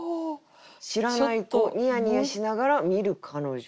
「知らない子ニヤニヤしながら見る彼女」。